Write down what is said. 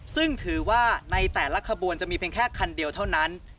ซึ่งถือว่าในแต่ละขบวนจะมีเพียงแค่คันเดียวเท่านั้น